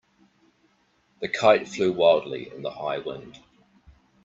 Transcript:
The kite flew wildly in the high wind.